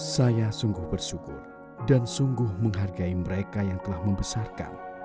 saya sungguh bersyukur dan sungguh menghargai mereka yang telah membesarkan